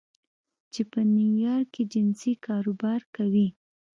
چې په نیویارک کې جنسي کاروبار کوي